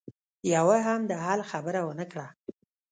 يوه هم د حل خبره ونه کړه.